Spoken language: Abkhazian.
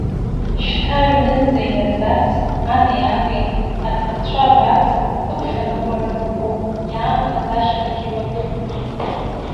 Шьҭа аҩнынӡа инаӡарц, ани, аби, аҭахцәа абарц, хымш аныҟәара аҭахуп, иаанхаз ашьхагьы лаҟәуп.